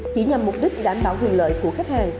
chỉ nhằm mục đích đảm bảo quyền lợi của khách hàng